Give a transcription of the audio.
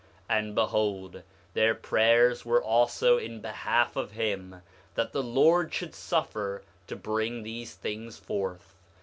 8:25 And behold, their prayers were also in behalf of him that the Lord should suffer to bring these things forth.